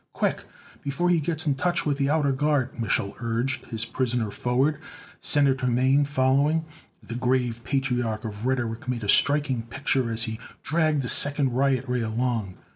"Quick, before he gets in touch with the outer guard!" Mich'l urged his prisoner forward, Senator Mane following. The grave patriarch of rhetoric made a striking picture as he dragged the second riot ray along.